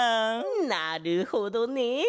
なるほどね！